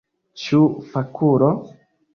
Ĉu fakulo?